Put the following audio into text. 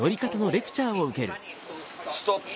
ストップ。